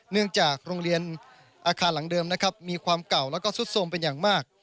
เนื่องจากโรงเรียนอาคารหลังเดิมนะครับมีความเก่าแล้วก็ซุดโทรมเป็นอย่างมาก